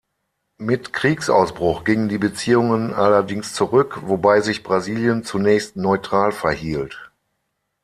Mit Kriegsausbruch gingen die Beziehungen allerdings zurück, wobei sich Brasilien zunächst neutral verhielt.